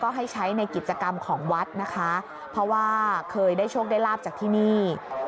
ให้ใช้ในกิจกรรมของวัดนะคะเพราะว่าเคยได้โชคได้ลาบจากที่นี่